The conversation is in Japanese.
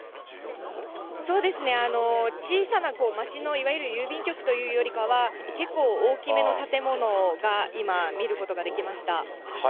そうですね、小さな街のいわゆる郵便局というよりかは、結構大きめの建物が、今、見ることができました。